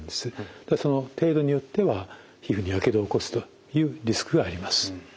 その程度によっては皮膚にやけどを起こすというリスクがあります。